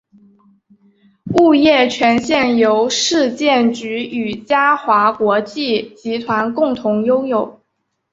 物业权现由市建局与嘉华国际集团共同拥有。